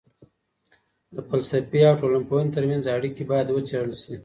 د فلسفې او ټولنپوهني ترمنځ اړیکې باید وڅېړل سي.